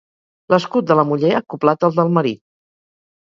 L'escut de la muller acoblat al del marit.